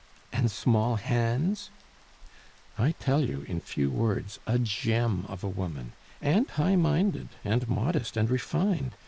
"And small hands?" "I tell you, in few words, a gem of a woman and high minded, and modest, and refined!